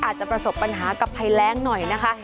อาจจะประสบปัญหากับภัยแรงหน่อยนะคะ